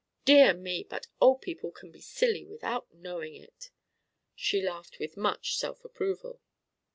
Dear me, but old people can be silly without knowing it!" She laughed with much self approval.